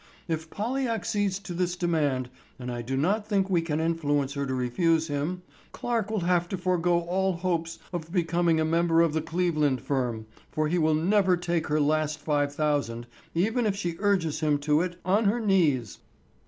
If Polly accedes to this demand, and I do not think we can influence her to refuse him, Clarke will have to forego all hopes of becoming a member of the Cleveland firm, for he will never take her last five thousand, even if she urges him to it on her knees."